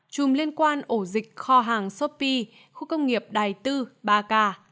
chùm liên quan ổ dịch kho hàng sopi khu công nghiệp đài tư ba ca